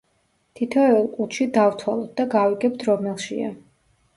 თითოეულ ყუთში დავთვალოთ და გავიგებთ რომელშია.